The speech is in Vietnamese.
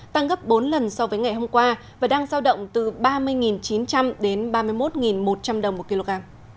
tăng gấp bốn lần so với ngày hôm qua và đang giao động từ ba mươi chín trăm linh đến ba mươi một một trăm linh đồng một kg